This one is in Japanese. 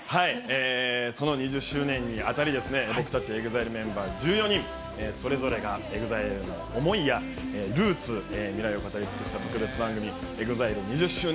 その２０周年にあたりですね、僕たち、ＥＸＩＬＥメンバー１４人、それぞれがＥＸＩＬＥの思いやルーツ、未来を語り尽くした特別番組、ＥＸＩＬＥ２０周年